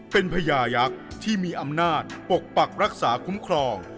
เป็นพญายักษ์ที่มีอำนาจปกปักรักษาคุ้มครอง